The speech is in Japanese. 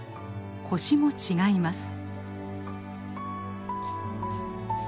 コシも違います。